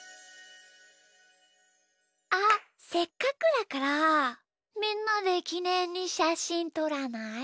あっせっかくだからみんなできねんにしゃしんとらない？